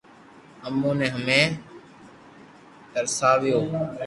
امو ني ھمي ٿراويو